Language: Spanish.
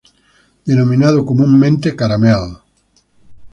Denominado comúnmente "caramel".